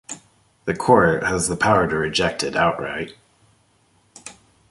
The court has the power to reject it outright.